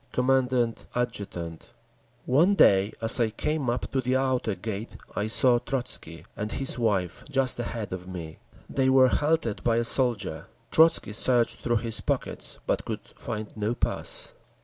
Commandant Adjutant One day as I came up to the outer gate I saw Trotzky and his wife just ahead of me. They were halted by a soldier. Trotzky searched through his pockets, but could find no pass.